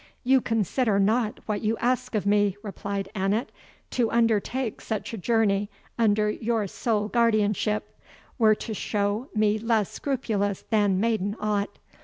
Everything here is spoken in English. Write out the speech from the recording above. "You consider not what you ask of me," replied Annot; "to undertake such a journey under your sole guardianship, were to show me less scrupulous than maiden ought.